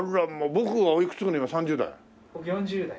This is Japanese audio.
僕４０代。